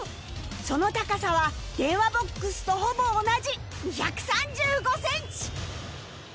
その高さは電話ボックスとほぼ同じ２３５センチ